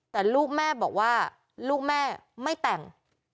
แต่ลูกแม่บอกว่าลูกแม่ไม่แต่ง